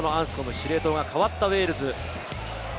司令塔が代わったウェールズ。